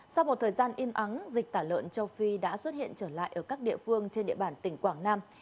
sau một thời gian im ắng dịch tả lợn châu phi đã xuất hiện trở lại ở các địa phương trên địa bàn tỉnh quảng nam